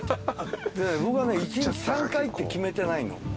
僕はね１日３回って決めてないの。